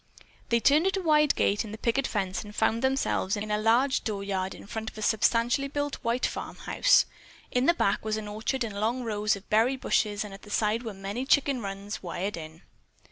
'" They turned in at a wide gate in the picket fence and found themselves in a large dooryard in front of a substantially built white farmhouse. In the back was an orchard and long rows of berry bushes and at the side were many chicken runs wired in.